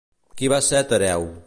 Qui va ser Tereu?